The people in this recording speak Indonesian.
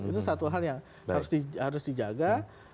itu satu hal yang harus dijaga